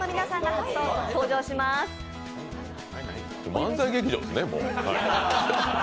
漫才劇場だね、もう。